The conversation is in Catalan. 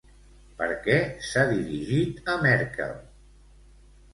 Per què s'ha dirigit a Merkel?